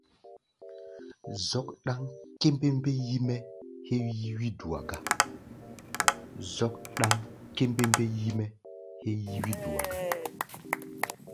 Zɔ́k ɗáŋ kémbémbé yí-mɛ́ héé yí wí-dua gá.